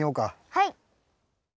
はい。